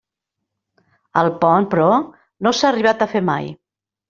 El pont, però, no s'ha arribat a fer mai.